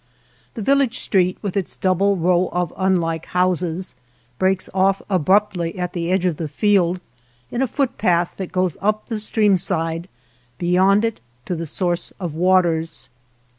The village street, with its double row of unlike houses, breaks off ab ruptly at the edge of the field in a foot path that goes up the streamside, beyond it, to the source of waters.